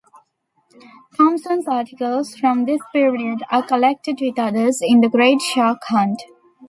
Thompson's articles from this period are collected with others in "The Great Shark Hunt".